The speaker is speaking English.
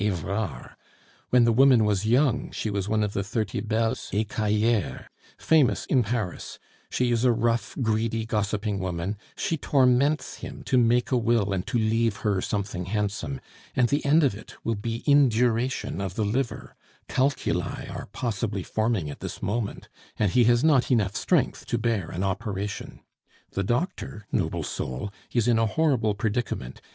Evrard. When the woman was young she was one of thirty Belles Ecailleres, famous in Paris, she is a rough, greedy, gossiping woman; she torments him to make a will and to leave her something handsome, and the end of it will be induration of the liver, calculi are possibly forming at this moment, and he has not enough strength to bear an operation. The doctor, noble soul, is in a horrible predicament.